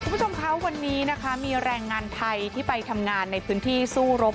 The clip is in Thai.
คุณผู้ชมคะวันนี้นะคะมีแรงงานไทยที่ไปทำงานในพื้นที่สู้รบ